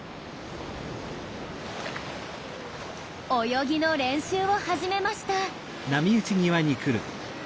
泳ぎの練習を始めました。